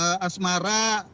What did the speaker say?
kemudian juga asmara